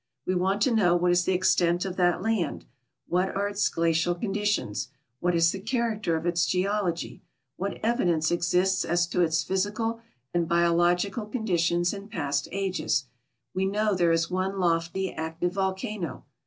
We want to know wliat is tlie extent of that land, what are its glacial condition.s, whut is tin character of its geology, what evidence exists as to its physical and hjo Logical conditions in past ages? We know there is one lofty, active volcano.